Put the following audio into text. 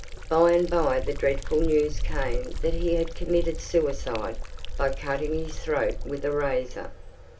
By and by the dreadful news came that he had committed suicide by cutting his throat with a razor.